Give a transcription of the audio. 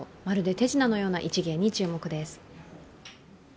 まるで手品のような一芸に注目です。